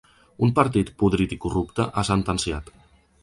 Un partit ‘podrit i corrupte’, ha sentenciat.